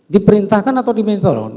diperintahkan atau diminta tolong